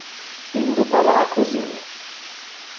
Indo para a cozinha